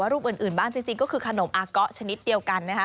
รูปอื่นบ้างจริงก็คือขนมอาเกาะชนิดเดียวกัน